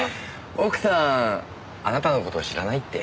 奥さんあなたの事を知らないって。